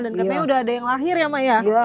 dan katanya udah ada yang lahir ya emak ya